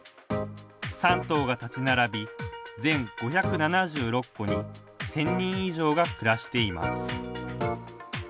３棟が立ち並び、全５７６戸に１０００人以上が暮らしています